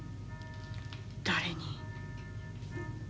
誰に？